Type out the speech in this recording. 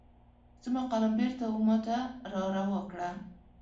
زما قلم بیرته وماته را روا کړه